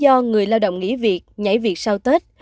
do người lao động nghỉ việc nhảy việc sau tết